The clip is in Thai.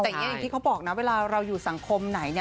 แต่อย่างที่เขาบอกนะเวลาเราอยู่สังคมไหน